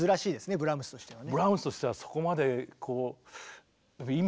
ブラームスとしてはね。